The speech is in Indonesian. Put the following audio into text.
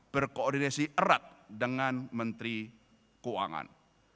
berkoordinasi erat dengan menteri keuangan